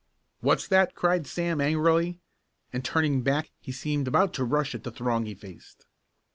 "What's that?" cried Sam angrily, and turning back he seemed about to rush at the throng he faced.